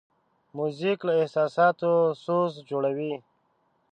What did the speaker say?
موزیک له احساساتو سوز جوړوي.